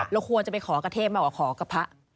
เราควรจะไปขอกระเทพมากกว่าขอกับพระ